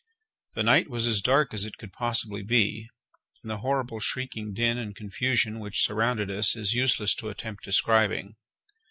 The night was as dark as it could possibly be, and the horrible shrieking din and confusion which surrounded us it is useless to attempt describing.